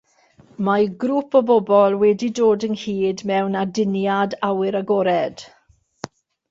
Mae grŵp o bobl wedi dod ynghyd mewn aduniad awyr agored